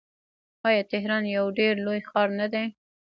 آیا تهران یو ډیر لوی ښار نه دی؟